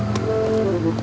saya sudah berhenti